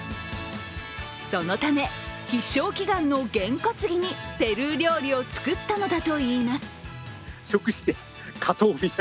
そのため、必勝祈願の験担ぎにペルー料理を作ったのだといいます。